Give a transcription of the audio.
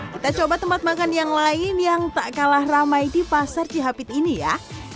kita coba tempat makan yang lain yang tak kalah ramai di pasar cihapit ini ya